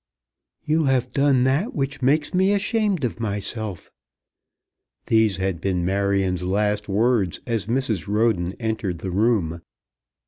"You have done that which makes me ashamed of myself." These had been Marion's last words as Mrs. Roden entered the room.